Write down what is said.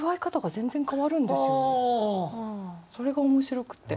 それが面白くって。